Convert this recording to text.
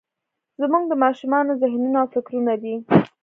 زموږ د ماشومانو ذهنونه او فکرونه دي.